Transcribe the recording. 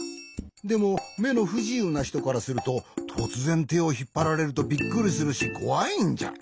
でもめのふじゆうなひとからするととつぜんてをひっぱられるとびっくりするしこわいんじゃ。